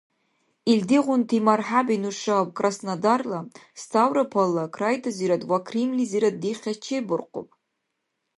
Илдигъунти мархӀяби нушаб Краснодарла, Ставропольла крайтазирад ва Крымлизирад дихес чебуркъуб.